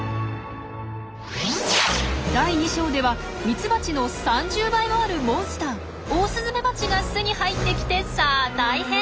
第２章ではミツバチの３０倍もあるモンスターオオスズメバチが巣に入ってきてさあ大変！